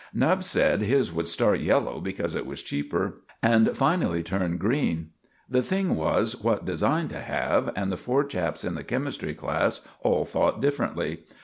Nubbs said his would start yellow, because it was cheaper, and finally turn green. The thing was what design to have, and the four chaps in the chemistry class all thought differently.